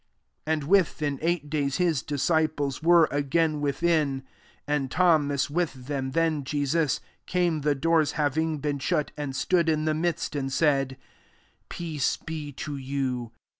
26 Ami, within eight days, his disciples were again with in, and Thomas with them: then Jesus came, the doors hav ing been shut, and stood in the midst, and said, " Peace be to you."